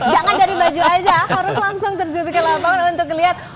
jangan dari baju aja harus langsung terjun ke lapangan untuk lihat